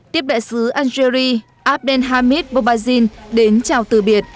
tiếp đại sứ algeri abdelhamid bobazin đến chào từ biệt